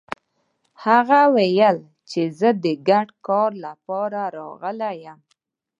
هغه ويل چې زه د ګډ کار لپاره راغلی يم.